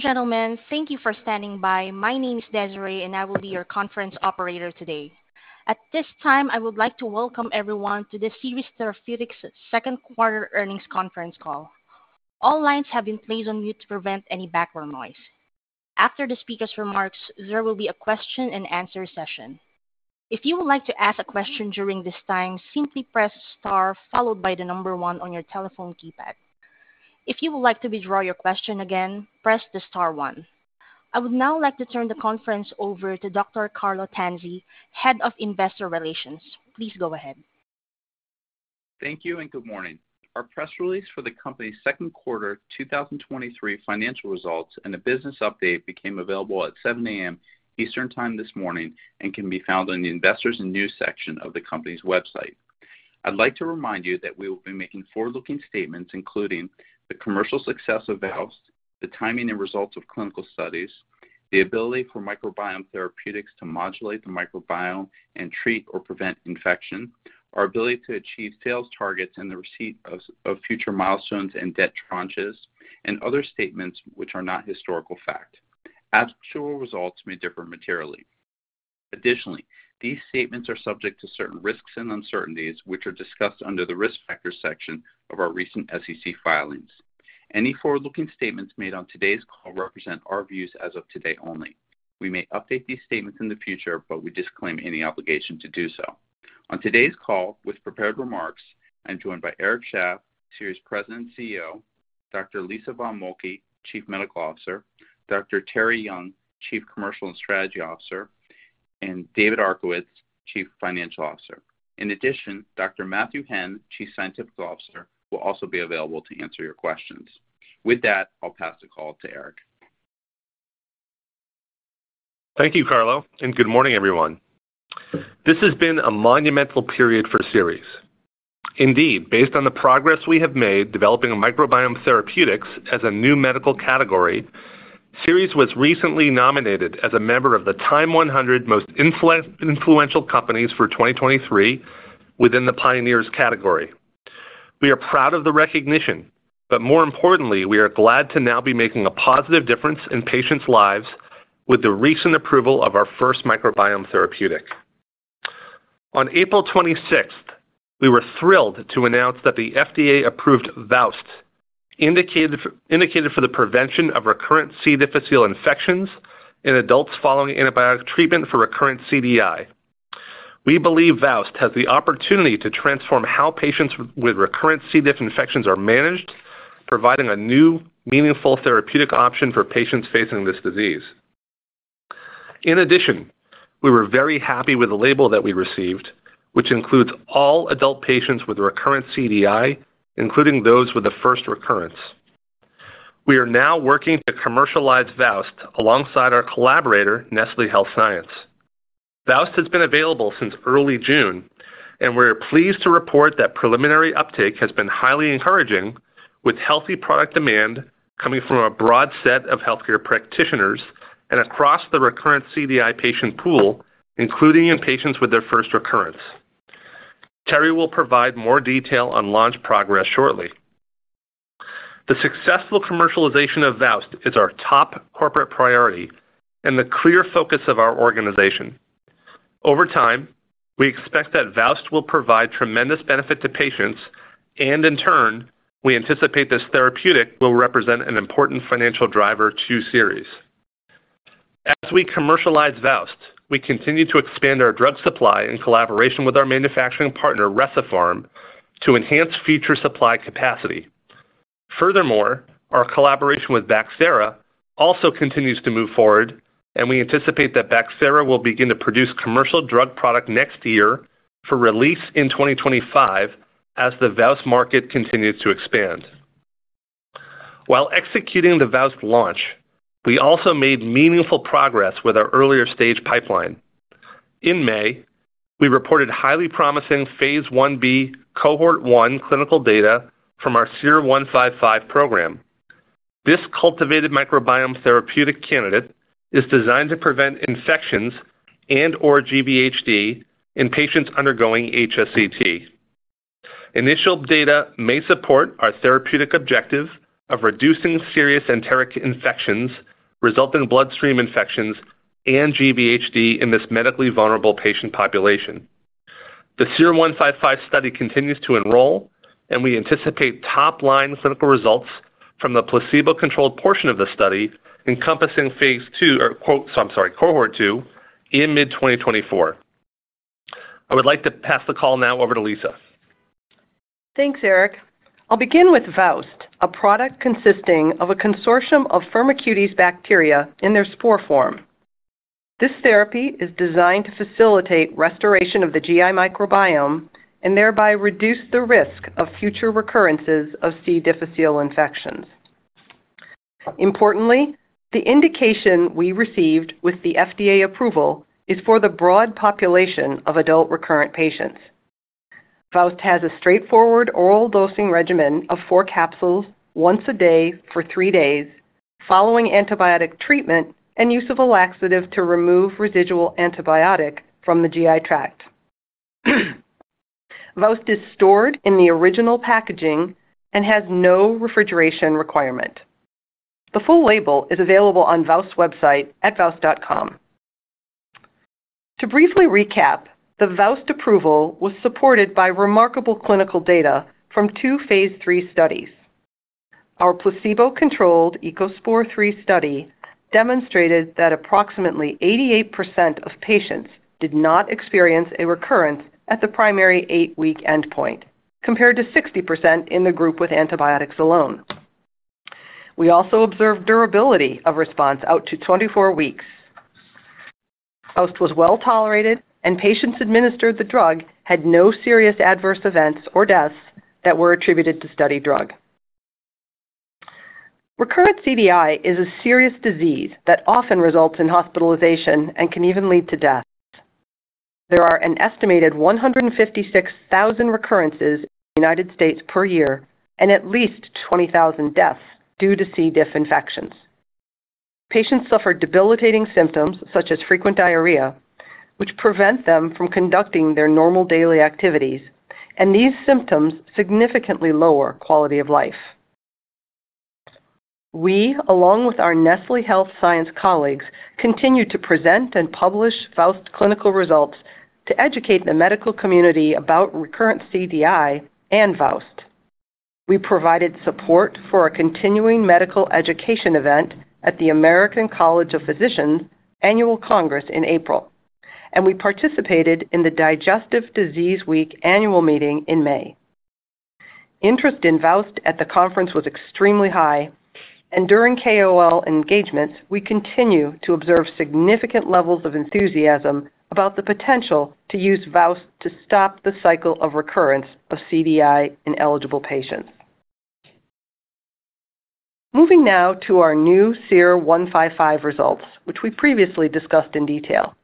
Ladies and gentlemen, thank you for standing by. My name is Desiree, and I will be your conference operator today. At this time, I would like to welcome everyone to the Seres Therapeutics' second quarter earnings conference call. All lines have been placed on mute to prevent any background noise. After the speaker's remarks, there will be a question-and-answer session. If you would like to ask a question during this time, simply press star followed by the number one on your telephone keypad. If you would like to withdraw your question again, press the star one. I would now like to turn the conference over to Dr. Carlo Tanzi, Head of Investor Relations. Please go ahead. Thank you and good morning. Our press release for the company's Q2 2023 financial results and a business update became available at 7:00 A.M. Eastern Time this morning and can be found on the Investors and News section of the company's website. I'd like to remind you that we will be making forward-looking statements, including the commercial success of VOWST, the timing and results of clinical studies, the ability for microbiome therapeutics to modulate the microbiome and treat or prevent infection, our ability to achieve sales targets and the receipt of future milestones and debt tranches, and other statements which are not historical fact. Additionally, these statements are subject to certain risks and uncertainties, which are discussed under the Risk Factors section of our recent SEC filings. Any forward-looking statements made on today's call represent our views as of today only. We may update these statements in the future, but we disclaim any obligation to do so. On today's call with prepared remarks, I'm joined by Eric D. Shaff, Seres President and CEO, Dr. Lisa von Moltke, Chief Medical Officer, Dr. Terri Young, Chief Commercial and Strategy Officer, and David Arkowitz, Chief Financial Officer. In addition, Dr. Matthew Henn, Chief Scientific Officer, will also be available to answer your questions. With that, I'll pass the call to Eric. Thank you, Carlo. Good morning, everyone. This has been a monumental period for Seres. Indeed, based on the progress we have made developing microbiome therapeutics as a new medical category, Seres was recently nominated as a member of the TIME100 Most Influential Companies for 2023 within the Pioneers category. We are proud of the recognition, more importantly, we are glad to now be making a positive difference in patients' lives with the recent approval of our first microbiome therapeutic. On April 26th, we were thrilled to announce that the FDA approved VOWST, indicated for the prevention of recurrent C. difficile infections in adults following antibiotic treatment for recurrent CDI. We believe VOWST has the opportunity to transform how patients with recurrent C. diff. infections are managed, providing a new, meaningful therapeutic option for patients facing this disease. We were very happy with the label that we received, which includes all adult patients with recurrent CDI, including those with the first recurrence. We are now working to commercialize VOWST alongside our collaborator, Nestlé Health Science. VOWST has been available since early June, and we are pleased to report that preliminary uptake has been highly encouraging, with healthy product demand coming from a broad set of healthcare practitioners and across the recurrent CDI patient pool, including in patients with their first recurrence. Terry will provide more detail on launch progress shortly. The successful commercialization of VOWST is our top corporate priority and the clear focus of our organization. Over time, we expect that VOWST will provide tremendous benefit to patients, and in turn, we anticipate this therapeutic will represent an important financial driver to Seres. As we commercialize VOWST, we continue to expand our drug supply in collaboration with our manufacturing partner, Recipharm, to enhance future supply capacity. Furthermore, our collaboration with Bacthera also continues to move forward, and we anticipate that Bacthera will begin to produce commercial drug product next year for release in 2025 as the VOWST market continues to expand. While executing the VOWST launch, we also made meaningful progress with our earlier stage pipeline. In May, we reported highly promising Phase 1b Cohort 1 clinical data from our SER-155 program. This cultivated microbiome therapeutic candidate is designed to prevent infections and/or GVHD in patients undergoing HSCT. Initial data may support our therapeutic objective of reducing serious enteric infections, resulting in bloodstream infections and GVHD in this medically vulnerable patient population. The SER-155 study continues to enroll, and we anticipate top-line clinical results from the placebo-controlled portion of the study, encompassing Phase 2, or quote, I'm sorry, Cohort 2, in mid-2024. I would like to pass the call now over to Lisa. Thanks, Eric. I'll begin with VOWST, a product consisting of a consortium of Firmicutes bacteria in their spore form. This therapy is designed to facilitate restoration of the GI microbiome and thereby reduce the risk of future recurrences of C. difficile infections. Importantly, the indication we received with the FDA approval is for the broad population of adult recurrent patients. VOWST has a straightforward oral dosing regimen of four capsules once a day for three days, following antibiotic treatment and use of a laxative to remove residual antibiotic from the GI tract. VOWST is stored in the original packaging and has no refrigeration requirement. The full label is available on VOWST's website at vowst.com. To briefly recap, the VOWST approval was supported by remarkable clinical data from two Phase 3 studies. Our placebo-controlled ECOSPOR III study demonstrated that approximately 88% of patients did not experience a recurrence at the primary eight-week endpoint, compared to 60% in the group with antibiotics alone. We also observed durability of response out to 24 weeks. VOWST was well-tolerated, and patients administered the drug had no serious adverse events or deaths that were attributed to study drug. Recurrent CDI is a serious disease that often results in hospitalization and can even lead to death. There are an estimated 156,000 recurrences in the United States per year and at least 20,000 deaths due to C. diff. infections. Patients suffer debilitating symptoms, such as frequent diarrhea, which prevent them from conducting their normal daily activities. These symptoms significantly lower quality of life. We, along with our Nestlé Health Science colleagues, continue to present and publish VOWST clinical results to educate the medical community about recurrent CDI and VOWST. We provided support for a continuing medical education event at the American College of Physicians Annual Congress in April, and we participated in the Digestive Disease Week annual meeting in May. Interest in VOWST at the conference was extremely high, and during KOL engagements, we continue to observe significant levels of enthusiasm about the potential to use VOWST to stop the cycle of recurrence of CDI in eligible patients. Moving now to our new SER-155 results, which we previously discussed in detail.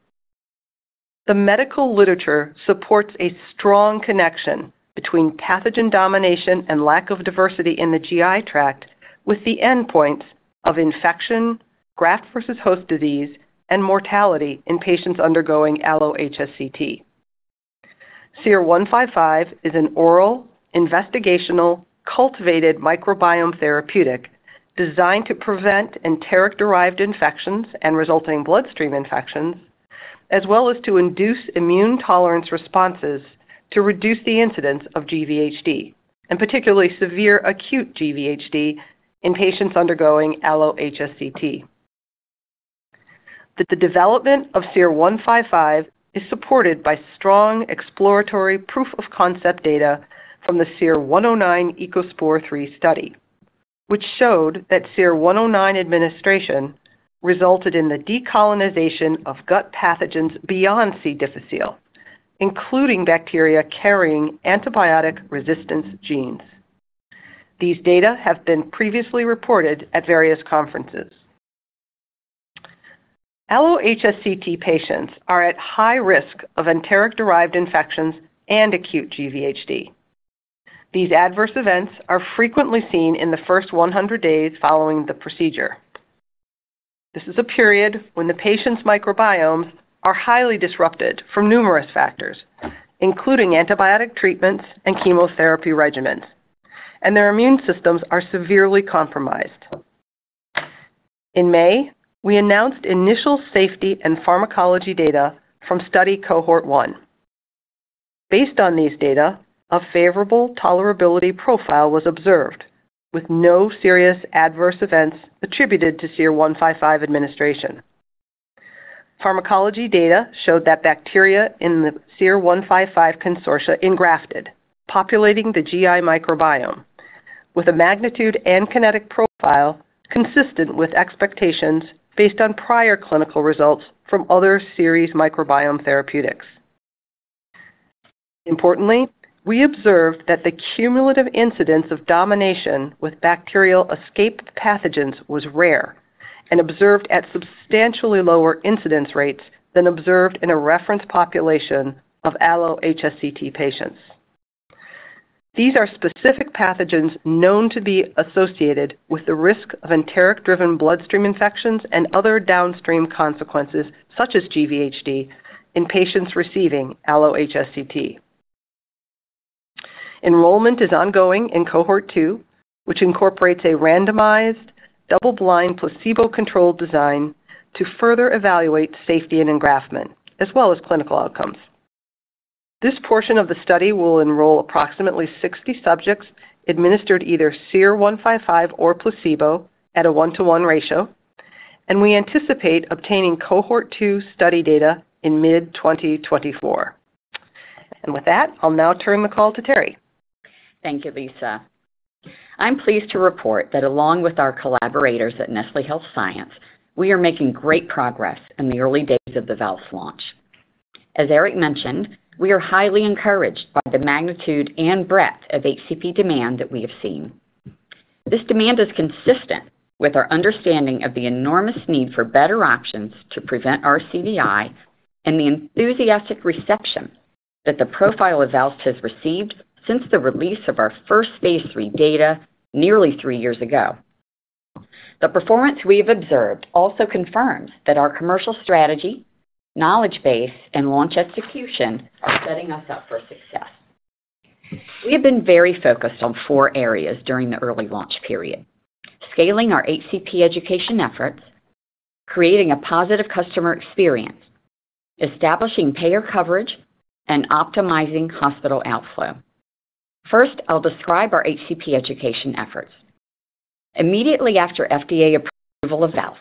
The medical literature supports a strong connection between pathogen domination and lack of diversity in the GI tract, with the endpoints of infection, Graft-versus-host disease, and mortality in patients undergoing allo HSCT. SER-155 is an oral, investigational, cultivated microbiome therapeutic designed to prevent enteric-derived infections and resulting bloodstream infections, as well as to induce immune tolerance responses to reduce the incidence of GVHD, and particularly severe acute GVHD in patients undergoing allo-HSCT. The development of SER-155 is supported by strong exploratory proof-of-concept data from the SER-109 ECOSPOR III study, which showed that SER-109 administration resulted in the decolonization of gut pathogens beyond C. difficile, including bacteria carrying antibiotic resistance genes. These data have been previously reported at various conferences. Allo-HSCT patients are at high risk of enteric-derived infections and acute GVHD. These adverse events are frequently seen in the first 100 days following the procedure. This is a period when the patient's microbiomes are highly disrupted from numerous factors, including antibiotic treatments and chemotherapy regimens, and their immune systems are severely compromised. In May, we announced initial safety and pharmacology data from study Cohort 1. Based on these data, a favorable tolerability profile was observed, with no serious adverse events attributed to SER-155 administration. Pharmacology data showed that bacteria in the SER-155 consortia engrafted, populating the GI microbiome with a magnitude and kinetic profile consistent with expectations based on prior clinical results from other Seres microbiome therapeutics. Importantly, we observed that the cumulative incidence of domination with bacterial escaped pathogens was rare and observed at substantially lower incidence rates than observed in a reference population of allo HSCT patients. These are specific pathogens known to be associated with the risk of enteric-driven bloodstream infections and other downstream consequences, such as GVHD, in patients receiving allo HSCT. Enrollment is ongoing in Cohort 2, which incorporates a randomized, double-blind, placebo-controlled design to further evaluate safety and engraftment, as well as clinical outcomes. This portion of the study will enroll approximately 60 subjects administered either SER-155 or placebo at a 1-to-1 ratio, and we anticipate obtaining Cohort 2 study data in mid-2024. With that, I'll now turn the call to Terry. Thank you, Lisa. I'm pleased to report that along with our collaborators at Nestlé Health Science, we are making great progress in the early days of the VOWST launch. As Eric mentioned, we are highly encouraged by the magnitude and breadth of HCP demand that we have seen. This demand is consistent with our understanding of the enormous need for better options to prevent RCDI and the enthusiastic reception that the profile of VOWST has received since the release of our first phase 3 data nearly three years ago. The performance we have observed also confirms that our commercial strategy, knowledge base, and launch execution are setting us up for success. We have been very focused on four areas during the early launch period: scaling our HCP education efforts, creating a positive customer experience, establishing payer coverage, and optimizing hospital outflow. First, I'll describe our HCP education efforts. Immediately after FDA approval of VOWST,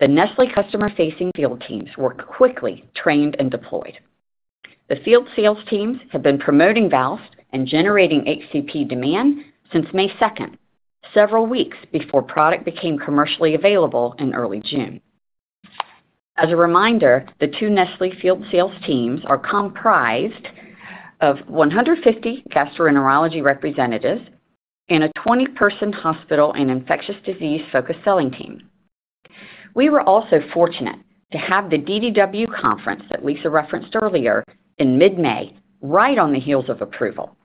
the Nestlé customer-facing field teams were quickly trained and deployed. The field sales teams have been promoting VOWST and generating HCP demand since May 2, several weeks before product became commercially available in early June. As a reminder, the two Nestlé field sales teams are comprised of 150 gastroenterology representatives and a 20-person hospital and infectious disease-focused selling team. We were also fortunate to have the DDW conference that Lisa referenced earlier in mid-May, right on the heels of approval.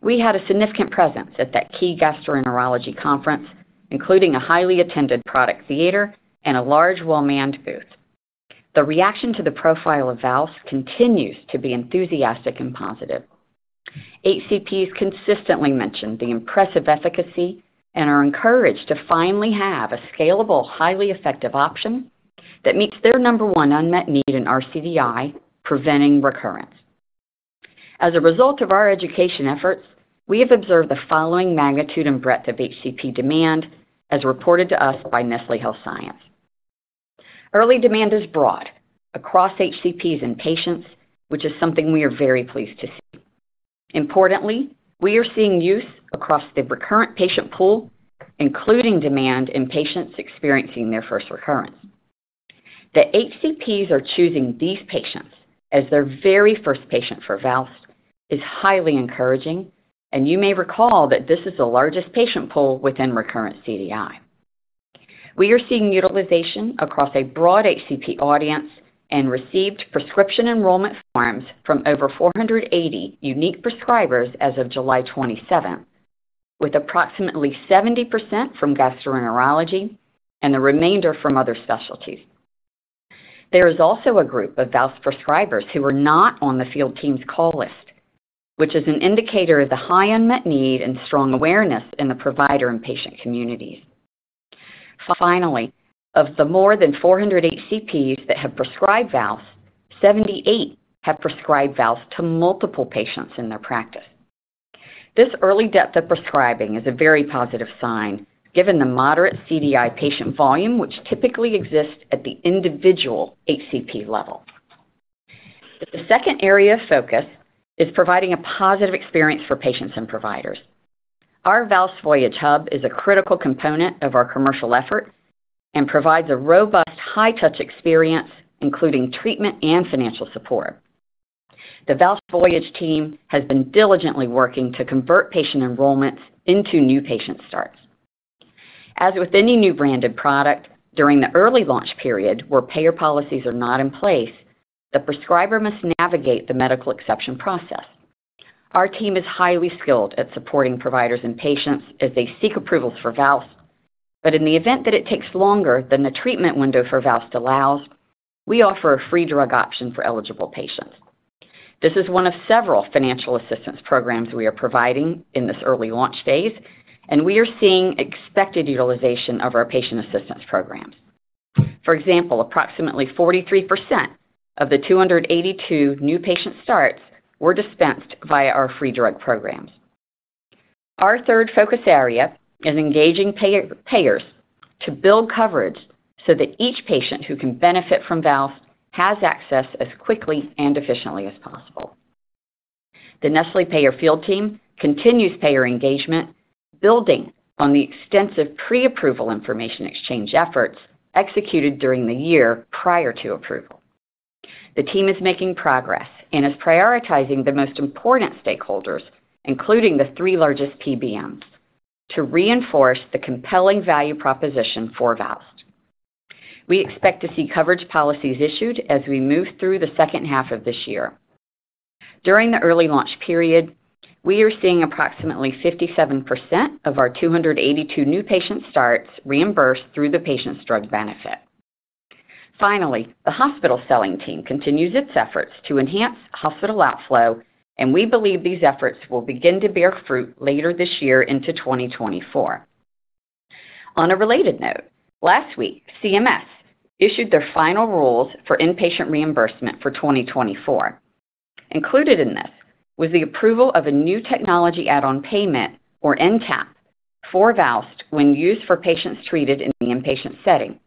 We had a significant presence at that key gastroenterology conference, including a highly attended product theater and a large, well-manned booth. The reaction to the profile of VOWST continues to be enthusiastic and positive. HCPs consistently mention the impressive efficacy and are encouraged to finally have a scalable, highly effective option that meets their number 1 unmet need in RCDI, preventing recurrence. As a result of our education efforts, we have observed the following magnitude and breadth of HCP demand as reported to us by Nestlé Health Science. Early demand is broad across HCPs and patients, which is something we are very pleased to see. Importantly, we are seeing use across the recurrent patient pool, including demand in patients experiencing their first recurrence. The HCPs are choosing these patients as their very first patient for VOWST is highly encouraging, and you may recall that this is the largest patient pool within recurrent CDI. We are seeing utilization across a broad HCP audience and received prescription enrollment forms from over 480 unique prescribers as of July 27th, with approximately 70% from gastroenterology and the remainder from other specialties. There is also a group of VOWST prescribers who are not on the field team's call list, which is an indicator of the high unmet need and strong awareness in the provider and patient communities. Finally, of the more than 400 HCPs that have prescribed VOWST, 78 have prescribed VOWST to multiple patients in their practice. This early depth of prescribing is a very positive sign, given the moderate CDI patient volume, which typically exists at the individual HCP level. The second area of focus is providing a positive experience for patients and providers. Our VOWST Voyage Hub is a critical component of our commercial effort and provides a robust, high-touch experience, including treatment and financial support. The VOWST Voyage team has been diligently working to convert patient enrollments into new patient starts. As with any new branded product, during the early launch period, where payer policies are not in place, the prescriber must navigate the medical exception process. Our team is highly skilled at supporting providers and patients as they seek approvals for VOWST. In the event that it takes longer than the treatment window for VOWST allows, we offer a free drug option for eligible patients. This is one of several financial assistance programs we are providing in this early launch phase, and we are seeing expected utilization of our patient assistance programs. For example, approximately 43% of the 282 new patient starts were dispensed via our free drug programs. Our third focus area is engaging payers to build coverage so that each patient who can benefit from VOWST has access as quickly and efficiently as possible. The Nestlé payer field team continues payer engagement, building on the extensive pre-approval information exchange efforts executed during the year prior to approval. The team is making progress and is prioritizing the most important stakeholders, including the three largest PBMs, to reinforce the compelling value proposition for VOWST. We expect to see coverage policies issued as we move through the second half of this year. During the early launch period, we are seeing approximately 57% of our 282 new patient starts reimbursed through the patient's drug benefit. The hospital selling team continues its efforts to enhance hospital outflow, and we believe these efforts will begin to bear fruit later this year into 2024. On a related note, last week, CMS issued their final rules for inpatient reimbursement for 2024. Included in this was the approval of a new technology add-on payment, or NTAP, for VOWST when used for patients treated in the inpatient setting.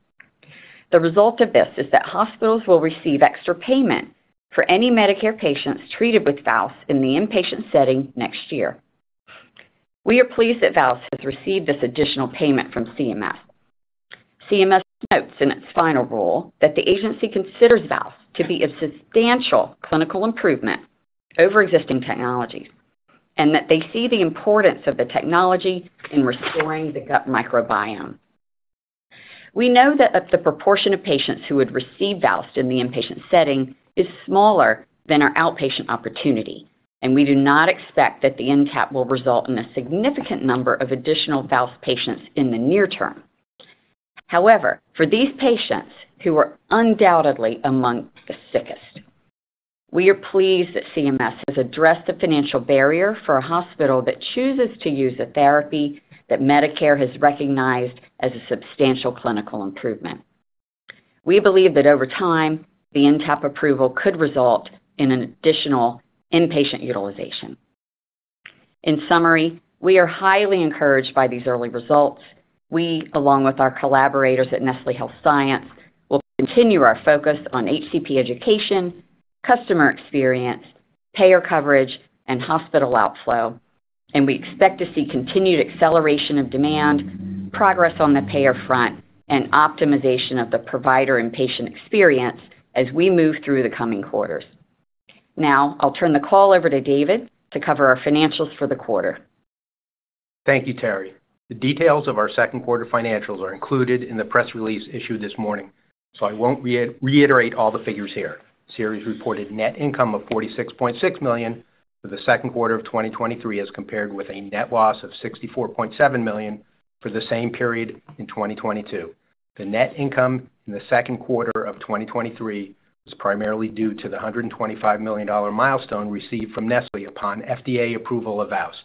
The result of this is that hospitals will receive extra payment for any Medicare patients treated with VOWST in the inpatient setting next year. We are pleased that VOWST has received this additional payment from CMS. CMS notes in its final rule that the agency considers VOWST to be a substantial clinical improvement over existing technologies and that they see the importance of the technology in restoring the gut microbiome.... We know that the proportion of patients who would receive VOWST in the inpatient setting is smaller than our outpatient opportunity, and we do not expect that the NTAP will result in a significant number of additional VOWST patients in the near term. However, for these patients, who are undoubtedly among the sickest, we are pleased that CMS has addressed the financial barrier for a hospital that chooses to use a therapy that Medicare has recognized as a substantial clinical improvement. We believe that over time, the NTAP approval could result in an additional inpatient utilization. In summary, we are highly encouraged by these early results. We, along with our collaborators at Nestlé Health Science, will continue our focus on HCP education, customer experience, payer coverage, and hospital outflow. We expect to see continued acceleration of demand, progress on the payer front, and optimization of the provider and patient experience as we move through the coming quarters. Now, I'll turn the call over to David to cover our financials for the quarter. Thank you, Terry. The details of our second quarter financials are included in the press release issued this morning, so I won't reiterate all the figures here. Seres reported net income of $46.6 million for the second quarter of 2023, as compared with a net loss of $64.7 million for the same period in 2022. The net income in the second quarter of 2023 was primarily due to the $125 million milestone received from Nestlé upon FDA approval of VOWST.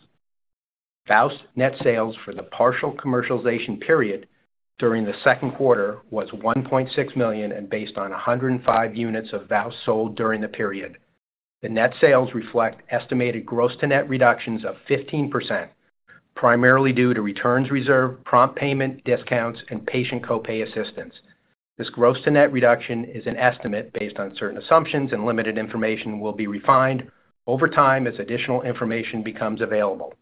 VOWST net sales for the partial commercialization period during the second quarter was $1.6 million and based on 105 units of VOWST sold during the period. The net sales reflect estimated gross to net reductions of 15%, primarily due to returns reserve, prompt payment discounts, and patient copay assistance. This gross to net reduction is an estimate based on certain assumptions, and limited information will be refined over time as additional information becomes available.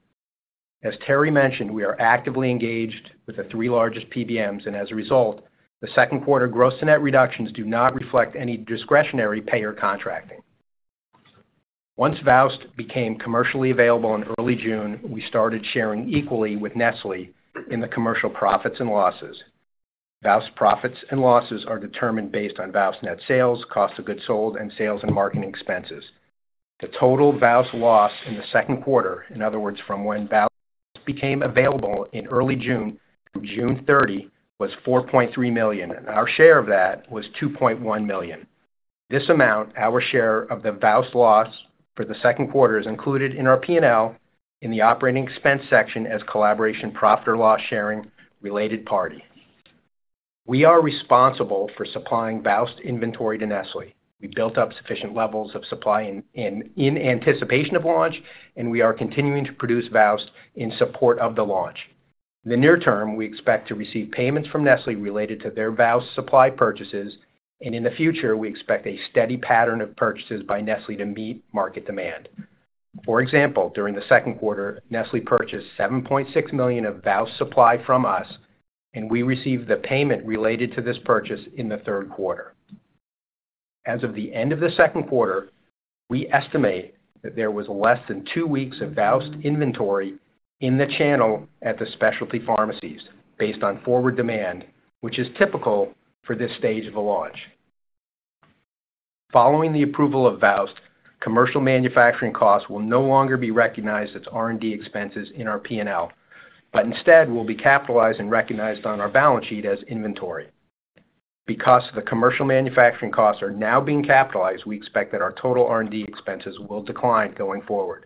As Terry mentioned, we are actively engaged with the three largest PBMs, and as a result, the second quarter gross to net reductions do not reflect any discretionary payer contracting. Once VOWST became commercially available in early June, we started sharing equally with Nestlé in the commercial profits and losses. VOWST profits and losses are determined based on VOWST net sales, cost of goods sold, and sales and marketing expenses. The total VOWST loss in the second quarter, in other words, from when VOWST became available in early June through June 30, was $4.3 million, and our share of that was $2.1 million. This amount, our share of the VOWST loss for the second quarter, is included in our P&L in the operating expense section as collaboration profit or loss sharing related party. We are responsible for supplying VOWST inventory to Nestlé. We built up sufficient levels of supply in anticipation of launch, and we are continuing to produce VOWST in support of the launch. In the near term, we expect to receive payments from Nestlé related to their VOWST supply purchases, and in the future, we expect a steady pattern of purchases by Nestlé to meet market demand. For example, during the second quarter, Nestlé purchased $7.6 million of VOWST supply from us, and we received the payment related to this purchase in the third quarter. As of the end of the second quarter, we estimate that there was less than two weeks of VOWST inventory in the channel at the specialty pharmacies based on forward demand, which is typical for this stage of a launch. Following the approval of VOWST, commercial manufacturing costs will no longer be recognized as R&D expenses in our P&L, but instead will be capitalized and recognized on our balance sheet as inventory. Because the commercial manufacturing costs are now being capitalized, we expect that our total R&D expenses will decline going forward.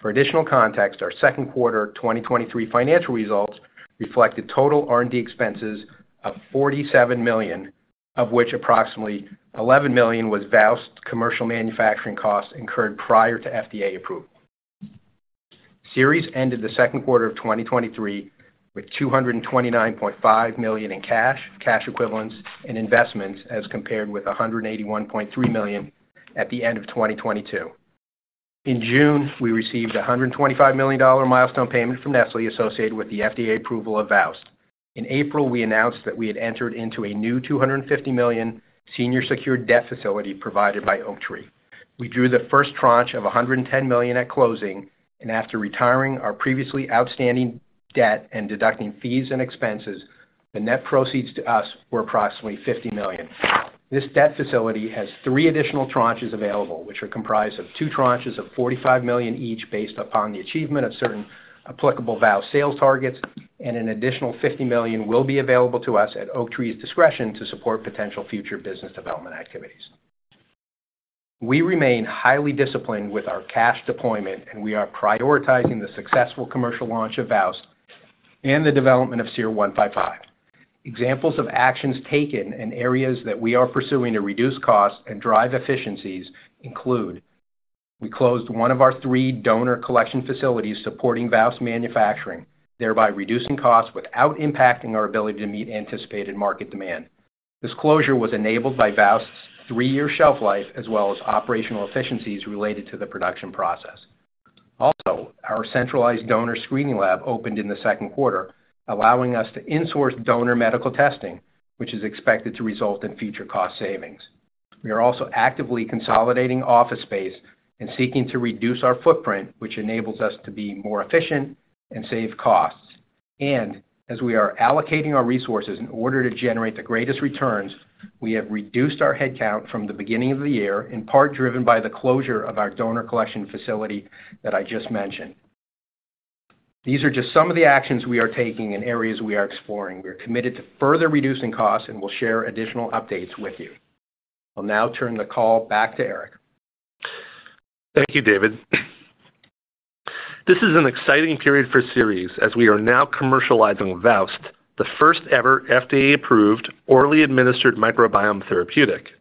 For additional context, our second quarter 2023 financial results reflected total R&D expenses of $47 million, of which approximately $11 million was VOWST commercial manufacturing costs incurred prior to FDA approval. Seres ended the second quarter of 2023 with $229.5 million in cash, cash equivalents, and investments, as compared with $181.3 million at the end of 2022. In June, we received a $125 million milestone payment from Nestlé associated with the FDA approval of VOWST. In April, we announced that we had entered into a new $250 million senior secured debt facility provided by Oaktree. We drew the first tranche of $110 million at closing, after retiring our previously outstanding debt and deducting fees and expenses, the net proceeds to us were approximately $50 million. This debt facility has three additional tranches available, which are comprised of two tranches of $45 million each, based upon the achievement of certain applicable VOWST sales targets, and an additional $50 million will be available to us at Oaktree's discretion to support potential future business development activities. We remain highly disciplined with our cash deployment, and we are prioritizing the successful commercial launch of VOWST and the development of SER-155. Examples of actions taken and areas that we are pursuing to reduce costs and drive efficiencies include: We closed one of our three donor collection facilities supporting VOWST manufacturing, thereby reducing costs without impacting our ability to meet anticipated market demand. This closure was enabled by VOWST's three-year shelf life as well as operational efficiencies related to the production process. Also, our centralized donor screening lab opened in the second quarter, allowing us to insource donor medical testing, which is expected to result in future cost savings. We are also actively consolidating office space and seeking to reduce our footprint, which enables us to be more efficient and save costs. As we are allocating our resources in order to generate the greatest returns, we have reduced our headcount from the beginning of the year, in part driven by the closure of our donor collection facility that I just mentioned. These are just some of the actions we are taking and areas we are exploring. We are committed to further reducing costs, and we'll share additional updates with you. I'll now turn the call back to Eric. Thank you, David. This is an exciting period for Seres as we are now commercializing VOWST, the first-ever FDA-approved, orally administered microbiome therapeutic.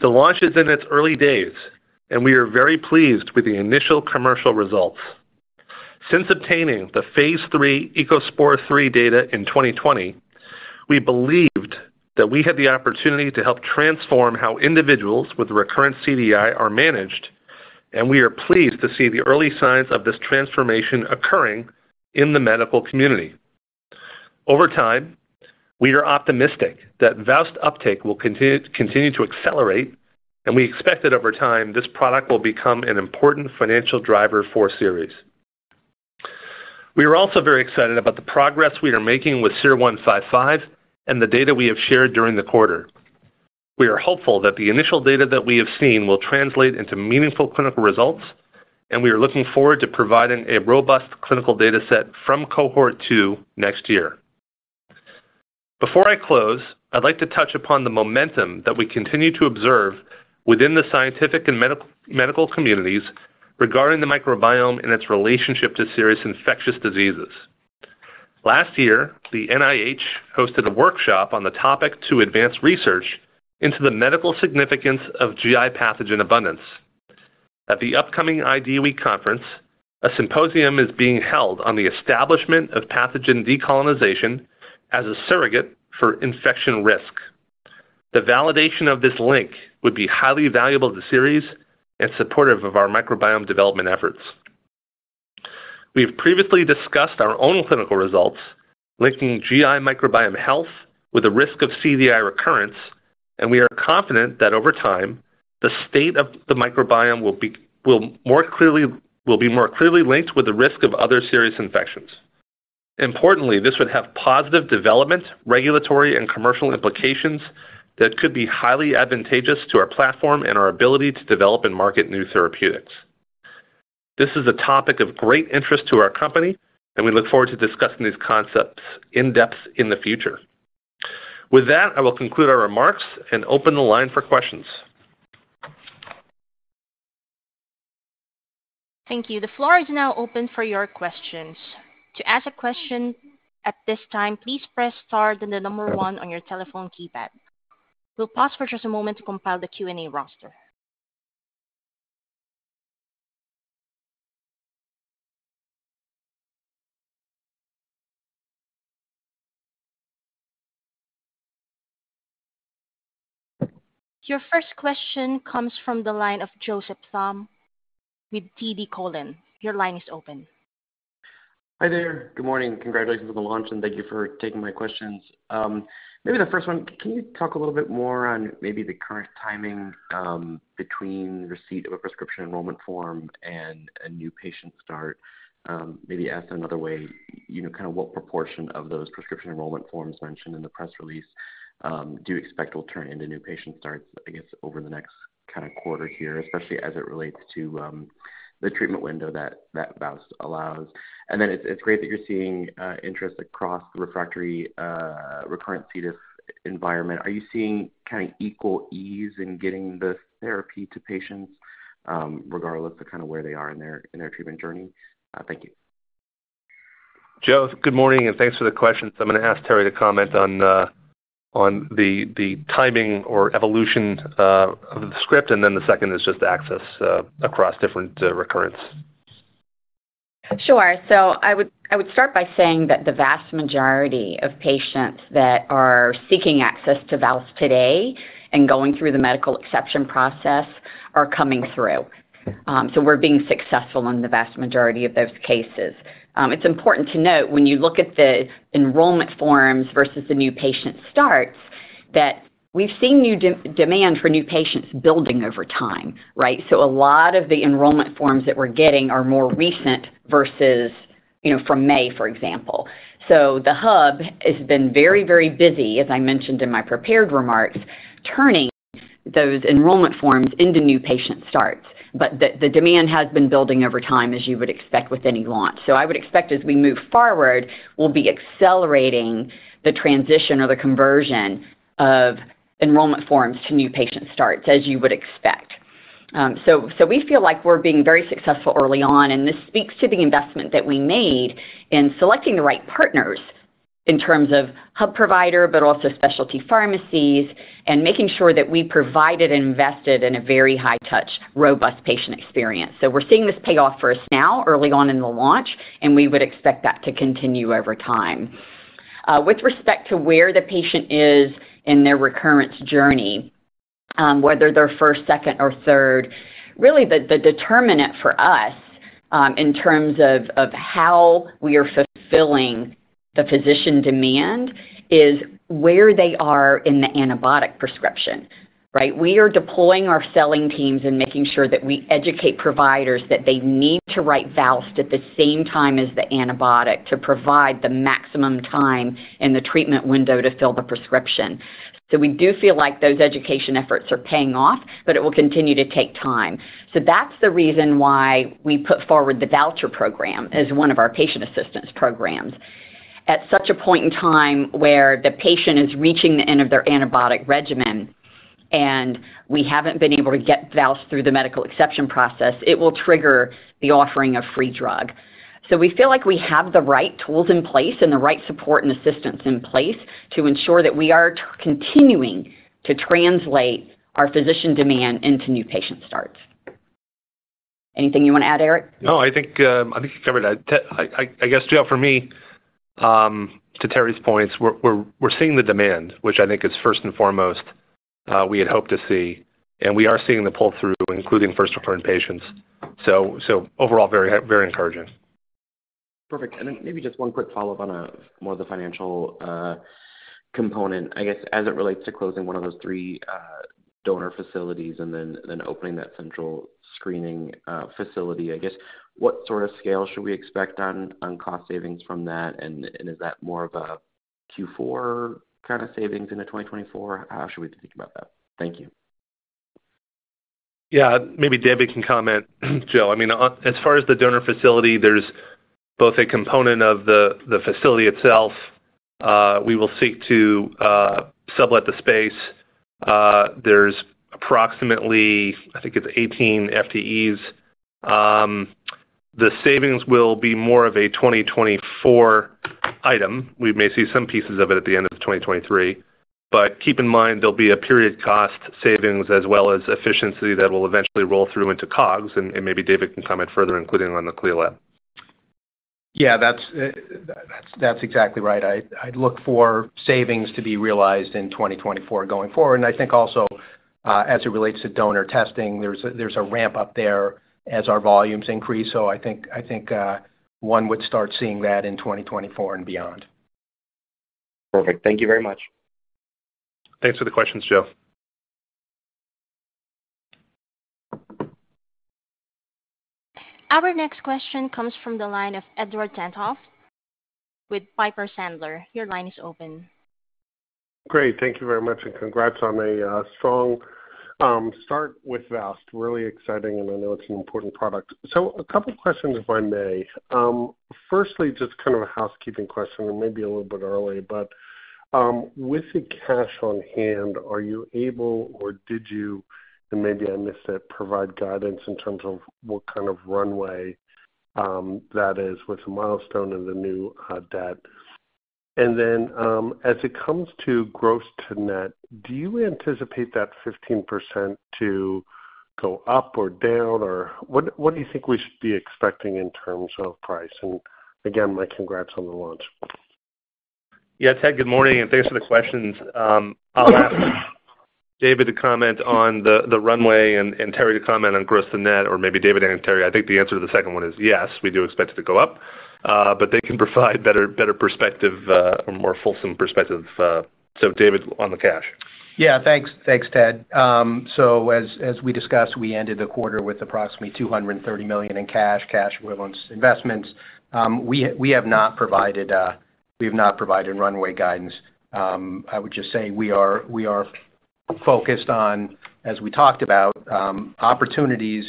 The launch is in its early days, and we are very pleased with the initial commercial results. Since obtaining the phase 3 ECOSPOR III data in 2020, we believed that we had the opportunity to help transform how individuals with recurrent CDI are managed, and we are pleased to see the early signs of this transformation occurring in the medical community. Over time, we are optimistic that VOWST uptake will continue, continue to accelerate, and we expect that over time, this product will become an important financial driver for Seres. We are also very excited about the progress we are making with SER-155 and the data we have shared during the quarter. We are hopeful that the initial data that we have seen will translate into meaningful clinical results, and we are looking forward to providing a robust clinical data set from Cohort 2 next year. Before I close, I'd like to touch upon the momentum that we continue to observe within the scientific and medical communities regarding the microbiome and its relationship to serious infectious diseases. Last year, the NIH hosted a workshop on the topic to advance research into the medical significance of GI pathogen abundance. At the upcoming IDWeek conference, a symposium is being held on the establishment of pathogen decolonization as a surrogate for infection risk. The validation of this link would be highly valuable to Seres and supportive of our microbiome development efforts. We have previously discussed our own clinical results linking GI microbiome health with the risk of CDI recurrence, and we are confident that over time, the state of the microbiome will be more clearly linked with the risk of other serious infections. Importantly, this would have positive development, regulatory, and commercial implications that could be highly advantageous to our platform and our ability to develop and market new therapeutics. This is a topic of great interest to our company, and we look forward to discussing these concepts in depth in the future. With that, I will conclude our remarks and open the line for questions. Thank you. The floor is now open for your questions. To ask a question at this time, please press star, then the number 1 on your telephone keypad. We'll pause for just a moment to compile the Q&A roster. Your first question comes from the line of Joseph Thome with TD Cowen. Your line is open. Hi there. Good morning. Congratulations on the launch, and thank you for taking my questions. Maybe the first one, can you talk a little bit more on maybe the current timing between receipt of a prescription enrollment form and a new patient start? Maybe asked another way, you know, kind of what proportion of those prescription enrollment forms mentioned in the press release do you expect will turn into new patient starts, I guess, over the next kind of quarter here, especially as it relates to the treatment window that, that VOWST allows? Then it's, it's great that you're seeing interest across the refractory, recurrent C. diff. environment. Are you seeing kind of equal ease in getting this therapy to patients regardless of kind of where they are in their, in their treatment journey? Thank you. Joseph, good morning, and thanks for the questions. I'm gonna ask Terri to comment on the timing or evolution of the script, and then the second is just access across different recurrence. Sure. I would, I would start by saying that the vast majority of patients that are seeking access to VOWST today and going through the medical exception process are coming through. We're being successful in the vast majority of those cases. It's important to note when you look at the enrollment forms versus the new patient starts, that we've seen new de-demand for new patients building over time, right? A lot of the enrollment forms that we're getting are more recent versus, you know, from May, for example. The hub has been very, very busy, as I mentioned in my prepared remarks, turning those enrollment forms into new patient starts. The, the demand has been building over time, as you would expect with any launch. I would expect as we move forward, we'll be accelerating the transition or the conversion of enrollment forms to new patient starts, as you would expect. We feel like we're being very successful early on, and this speaks to the investment that we made in selecting the right partners in terms of hub provider, but also specialty pharmacies, and making sure that we provided and invested in a very high touch, robust patient experience. We're seeing this pay off for us now, early on in the launch, and we would expect that to continue over time. With respect to where the patient is in their recurrence journey, whether they're first, second, or third, really, the, the determinant for us, in terms of, of how we are fulfilling the physician demand is where they are in the antibiotic prescription, right? We are deploying our selling teams and making sure that we educate providers that they need to write VOWST at the same time as the antibiotic to provide the maximum time in the treatment window to fill the prescription. We do feel like those education efforts are paying off, but it will continue to take time. That's the reason why we put forward the voucher program as one of our patient assistance programs. At such a point in time where the patient is reaching the end of their antibiotic regimen, and we haven't been able to get VOWST through the medical exception process, it will trigger the offering of free drug. We feel like we have the right tools in place and the right support and assistance in place to ensure that we are continuing to translate our physician demand into new patient starts. Anything you wanna add, Eric? No, I think, I think you covered that. Joseph, for me, to Terry's points, we're, we're, we're seeing the demand, which I think is first and foremost, we had hoped to see, and we are seeing the pull-through, including first-referring patients. Overall, very, very encouraging. Perfect. Then maybe just one quick follow-up on more of the financial component. I guess, as it relates to closing one of those three donor facilities and then, then opening that central screening facility, I guess, what sort of scale should we expect on cost savings from that? Is that more of a Q4 kind of savings into 2024? How should we think about that? Thank you. Yeah, maybe David can comment. Joseph, I mean, as far as the donor facility, there's both a component of the facility itself. We will seek to sublet the space. There's approximately, I think it's 18 FTEs. The savings will be more of a 2024 item. We may see some pieces of it at the end of 2023, but keep in mind, there'll be a period cost savings as well as efficiency that will eventually roll through into COGS, and maybe David can comment further, including on the CLIA lab. Yeah, that's, that's, that's exactly right. I, I'd look for savings to be realized in 2024 going forward. I think also, as it relates to donor testing, there's a, there's a ramp-up there as our volumes increase. I think, I think, one would start seeing that in 2024 and beyond. Perfect. Thank you very much. Thanks for the questions, Joseph. Our next question comes from the line of Edward Tenthoff with Piper Sandler. Your line is open. Great. Thank you very much. Congrats on a strong start with VOWST. Really exciting, I know it's an important product. A couple questions, if I may. Firstly, just kind of a housekeeping question, maybe a little bit early, but with the cash on hand, are you able, or did you, maybe I missed it, provide guidance in terms of what kind of runway that is with the milestone and the new debt? As it comes to gross to net, do you anticipate that 15% to go up or down, or what, what do you think we should be expecting in terms of price? Again, my congrats on the launch. Yeah, Edward, good morning, and thanks for the questions. I'll ask David to comment on the, the runway and, and Terry to comment on gross to net, or maybe David and Terry. I think the answer to the second one is yes, we do expect it to go up, but they can provide better, better perspective, or more fulsome perspective. David, on the cash. Yeah, thanks. Thanks, Edward. As, as we discussed, we ended the quarter with approximately $230 million in cash, cash equivalents, investments. We have, we have not provided, we have not provided runway guidance. I would just say we are, we are focused on, as we talked about, opportunities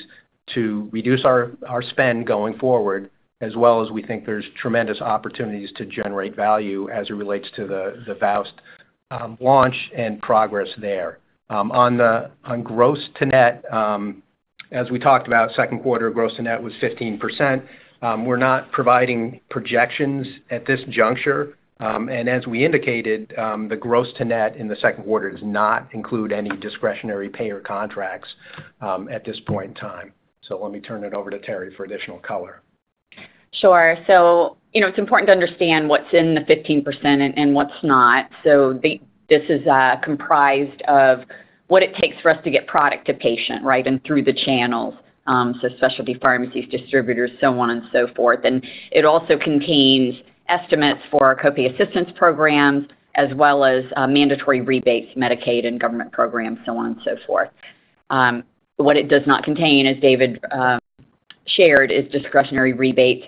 to reduce our, our spend going forward, as well as we think there's tremendous opportunities to generate value as it relates to the, the VOWST launch and progress there. On the, on gross to net, as we talked about, second quarter gross to net was 15%. We're not providing projections at this juncture, and as we indicated, the gross to net in the second quarter does not include any discretionary payer contracts at this point in time. Let me turn it over to Terry for additional color. Sure. You know, it's important to understand what's in the 15% and, and what's not. This is comprised of what it takes for us to get product to patient, right? Through the channels, so specialty pharmacies, distributors, so on and so forth. It also contains estimates for our co-pay assistance programs, as well as, mandatory rebates, Medicaid and government programs, so on and so forth. What it does not contain, as David shared, is discretionary rebates.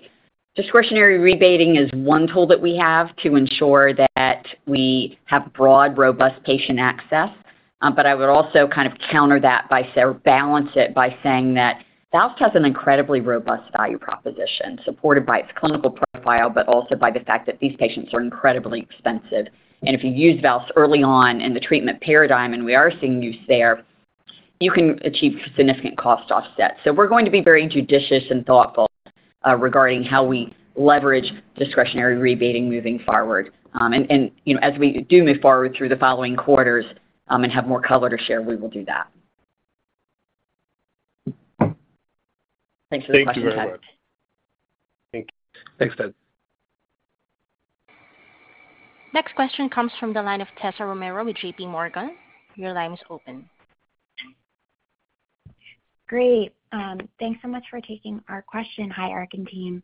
Discretionary rebating is one tool that we have to ensure that we have broad, robust patient access. But I would also kind of counter that by say, or balance it by saying that VOWST has an incredibly robust value proposition, supported by its clinical profile, but also by the fact that these patients are incredibly expensive. If you use VOWST early on in the treatment paradigm, and we are seeing use there, you can achieve significant cost offset. We're going to be very judicious and thoughtful, regarding how we leverage discretionary rebating moving forward. You know, as we do move forward through the following quarters, and have more color to share, we will do that. Thanks for the question, Edward. Thank you very much. Thank you. Thanks, Edward Next question comes from the line of Tessa Romero with JP Morgan. Your line is open. Great. Thanks so much for taking our question. Hi, Eric and team.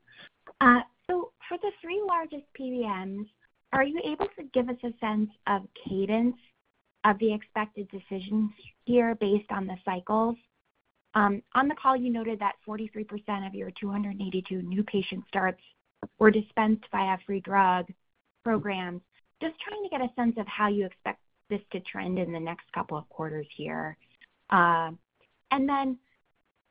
For the three largest PBMs, are you able to give us a sense of cadence of the expected decisions here based on the cycles? On the call, you noted that 43% of your 282 new patient starts were dispensed by a free drug program. Just trying to get a sense of how you expect this to trend in the next couple of quarters here. Then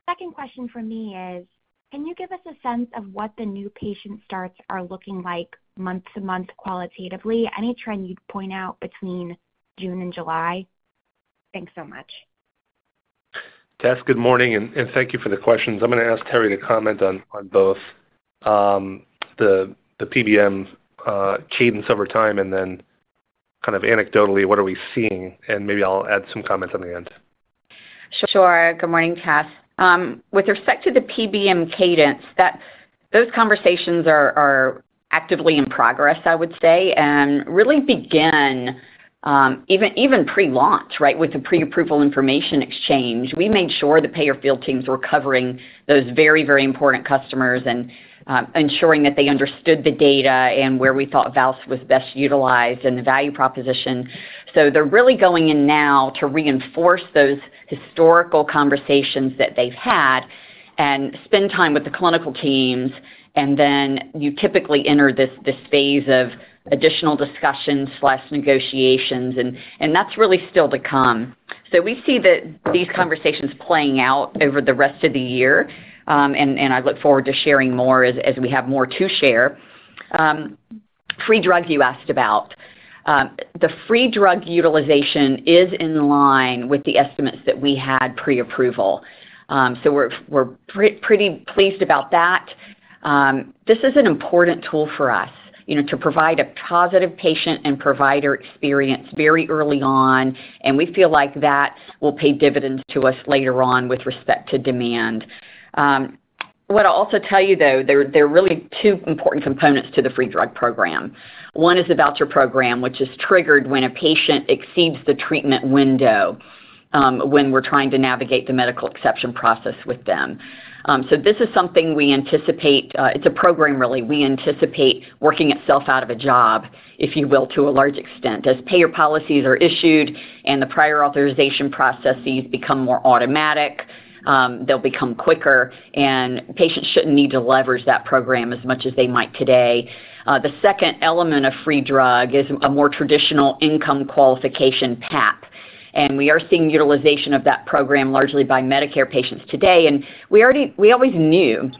second question for me is, can you give us a sense of what the new patient starts are looking like month-to-month qualitatively? Any trend you'd point out between June and July? Thanks so much. Tess, good morning, and thank you for the questions. I'm gonna ask Terry to comment on, on both, the, the PBM cadence over time, and then kind of anecdotally, what are we seeing, and maybe I'll add some comments on the end. Sure. Good morning, Tess. With respect to the PBM cadence, that- those conversations are, are actively in progress, I would say, and really began, even, even pre-launch, right? With the pre-approval information exchange, we made sure the payer field teams were covering those very, very important customers and, ensuring that they understood the data and where we thought VOWST was best utilized and the value proposition. They're really going in now to reinforce those historical conversations that they've had and spend time with the clinical teams. Then you typically enter this, this phase of additional discussions/negotiations, and, and that's really still to come. We see that these conversations playing out over the rest of the year, and, and I look forward to sharing more as, as we have more to share. Free drugs you asked about. The free drug utilization is in line with the estimates that we had pre-approval. We're pretty pleased about that. This is an important tool for us, you know, to provide a positive patient and provider experience very early on, and we feel like that will pay dividends to us later on with respect to demand. What I'll also tell you, though, there are really two important components to the free drug program. One is the voucher program, which is triggered when a patient exceeds the treatment window, when we're trying to navigate the medical exception process with them. This is something we anticipate. It's a program, really, we anticipate working itself out of a job, if you will, to a large extent. As payer policies are issued and the prior authorization processes become more automatic, they'll become quicker, and patients shouldn't need to leverage that program as much as they might today. The second element of free drug is a more traditional income qualification PAP, and we are seeing utilization of that program largely by Medicare patients today. We always knew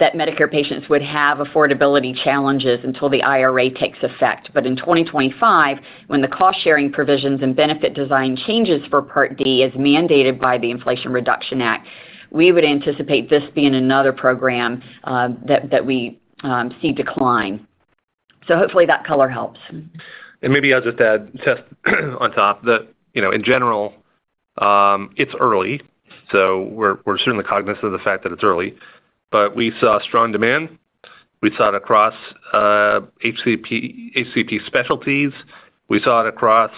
that Medicare patients would have affordability challenges until the IRA takes effect. In 2025, when the cost-sharing provisions and benefit design changes for Part D is mandated by the Inflation Reduction Act, we would anticipate this being another program that we see decline. Hopefully that color helps. Maybe I'll just add, Tessa, on top, that, you know, in general, it's early, so we're, we're certainly cognizant of the fact that it's early. We saw strong demand. We saw it across HCP, HCP specialties. We saw it across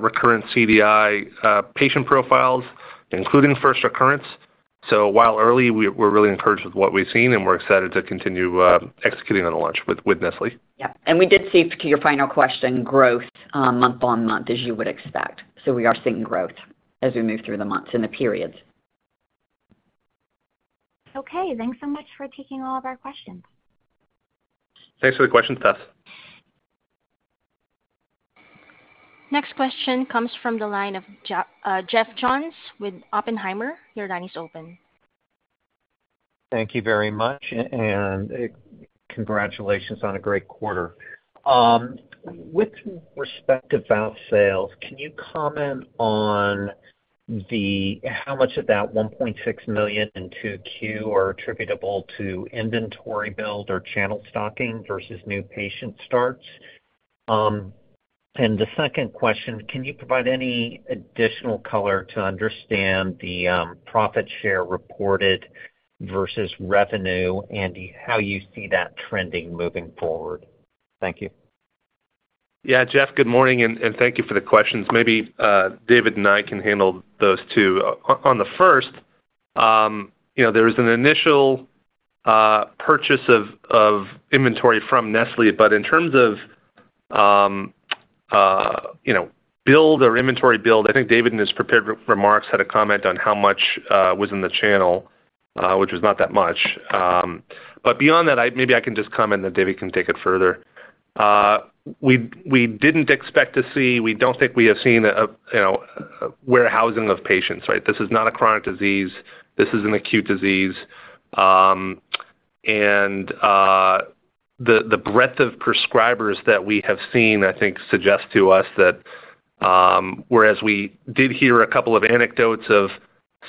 recurrent CDI, patient profiles, including first recurrence. While early, we're, we're really encouraged with what we've seen, and we're excited to continue executing on the launch with, with Nestlé. Yeah, we did see, to your final question, growth, month-on-month, as you would expect. We are seeing growth as we move through the months and the periods. Okay, thanks so much for taking all of our questions. Thanks for the question, Tessa. Next question comes from the line of Jeff Jones with Oppenheimer. Your line is open. Thank you very much, and congratulations on a great quarter. With respect to VOWST sales, can you comment on how much of that $1.6 million in 2Q are attributable to inventory build or channel stocking versus new patient starts? The second question, can you provide any additional color to understand the profit share reported versus revenue and how you see that trending moving forward? Thank you. Yeah, Jeff, good morning, and thank you for the questions. Maybe, David and I can handle those two. On the first, you know, there is an initial purchase of inventory from Nestlé, but in terms of, you know, build or inventory build, I think David, in his prepared remarks, had a comment on how much was in the channel, which was not that much. Beyond that, maybe I can just comment, and then David can take it further. We, we didn't expect to see, we don't think we have seen a, you know, warehousing of patients, right? This is not a chronic disease. This is an acute disease. The breadth of prescribers that we have seen, I think, suggests to us that, whereas we did hear a couple of anecdotes of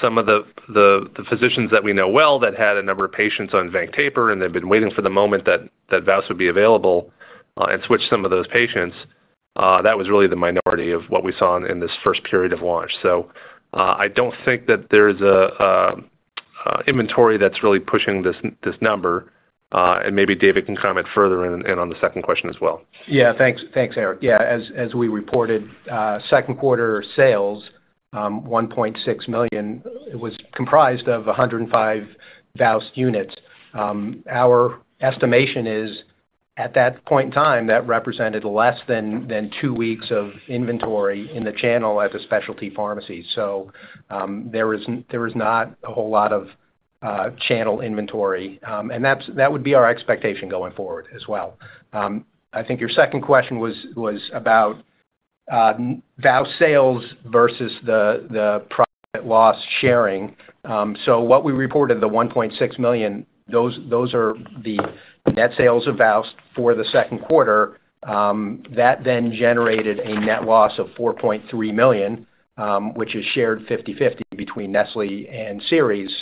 some of the physicians that we know well that had a number of patients on Vanc Taper, and they've been waiting for the moment that VOWST would be available, and switch some of those patients, that was really the minority of what we saw in this first period of launch. I don't think that there's a inventory that's really pushing this, this number? Maybe David can comment further and, and on the second question as well. Yeah, thanks. Thanks, Eric. Yeah, as, as we reported, second quarter sales, $1.6 million, it was comprised of 105 VOWST units. Our estimation is, at that point in time, that represented less than two weeks of inventory in the channel at the specialty pharmacy. There is, there is not a whole lot of channel inventory, that would be our expectation going forward as well. I think your second question was, was about VOWST sales versus the profit loss sharing. What we reported, the $1.6 million, those, those are the net sales of VOWST for the second quarter. That generated a net loss of $4.3 million, which is shared 50/50 between Nestlé and Seres.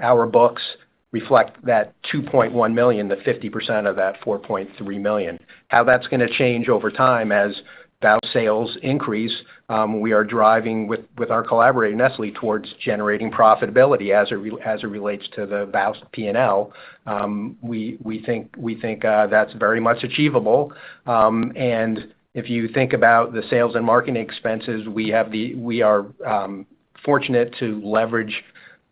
Our books reflect that $2.1 million, the 50% of that $4.3 million. How that's gonna change over time as VOWST sales increase, we are driving with, with our collaborating Nestlé towards generating profitability as it relates to the VOWST P&L. We, we think, we think, that's very much achievable. And if you think about the sales and marketing expenses, we are fortunate to leverage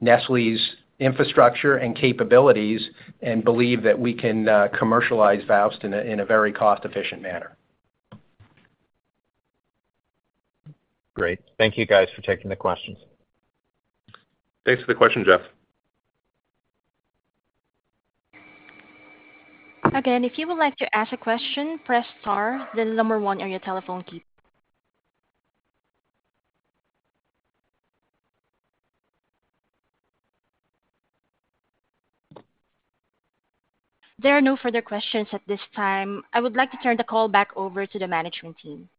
Nestlé's infrastructure and capabilities and believe that we can commercialize VOWST in a very cost-efficient manner. Great. Thank you, guys, for taking the questions. Thanks for the question, Jeff. Again, if you would like to ask a question, press star, then number one on your telephone key. There are no further questions at this time. I would like to turn the call back over to the management team.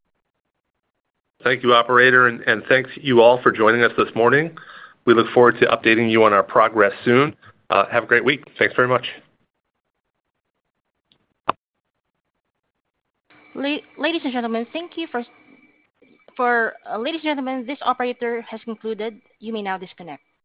Thank you, operator, and thanks you all for joining us this morning. We look forward to updating you on our progress soon. Have a great week. Thanks very much. Ladies and gentlemen, thank you. Ladies and gentlemen, this operator has concluded. You may now disconnect.